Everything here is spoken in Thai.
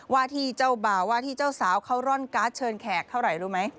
ว่าที่เจ้าบ่าวว่าที่เจ้าสาวเขาร่อนการ์ดเชิญแขกเท่าไหร่รู้ไหม